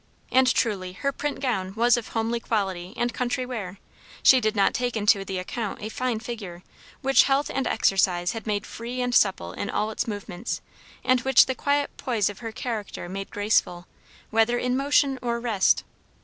And truly her print gown was of homely quality and country wear; she did not take into the account a fine figure, which health and exercise had made free and supple in all its movements, and which the quiet poise of her character made graceful, whether in motion or rest.